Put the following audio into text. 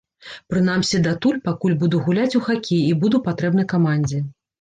Прынамсі датуль, пакуль буду гуляць у хакей і буду патрэбны камандзе.